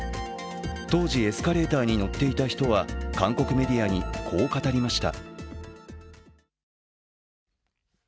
当時エスカレーターに乗っていた人は韓国メディアにこう語りました。